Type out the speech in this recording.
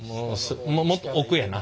もっと奥やな。